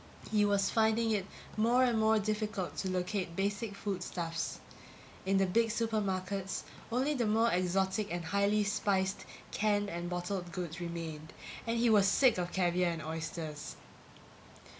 He was finding it more and more difficult to locate basic food stuffs. In the big supermarkets only the more exotic and highly spiced canned and bottled goods remained and he was sick of caviar and oysters!